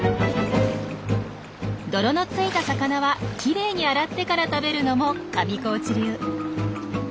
泥のついた魚はきれいに洗ってから食べるのも上高地流。